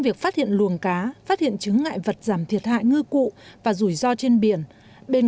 để nâng cao giá trị khai thác hạn chế rủi ro trên biển